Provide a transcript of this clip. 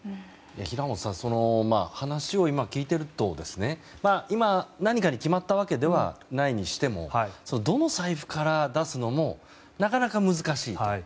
平元さん話を今聞いていると今、何かに決まったわけではないにしてもどの財布から出すのもなかなか難しいと。